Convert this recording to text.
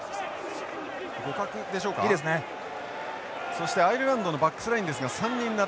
そしてアイルランドのバックスラインですが３人並ぶ形。